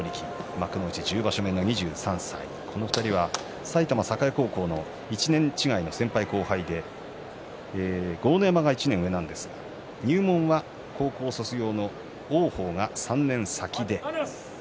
幕内１０場所目の２３歳この２人は埼玉栄高校の１年違いの先輩後輩で豪ノ山が１年上なんですが入門は高校卒業の王鵬が３年先です。